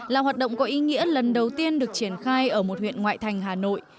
là hoạt động có ý nghĩa lần đầu tiên được triển khai ở một huyện ngoại thành hà nội